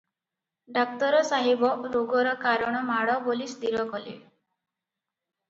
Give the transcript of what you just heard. ଡାକ୍ତର ସାହେବ ରୋଗର କାରଣ ମାଡ଼ ବୋଲି ସ୍ଥିର କଲେ ।